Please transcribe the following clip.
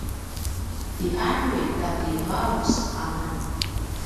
ti aljuy kati vaus amen